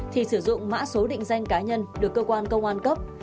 thì sử dụng mã số định danh cá nhân được cơ quan công an cấp